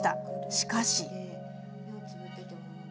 しかし。